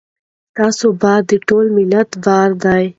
ستاسو بریا د ټول ملت بریا ده.